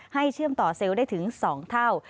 เชื่อมต่อเซลล์ได้ถึง๒เท่า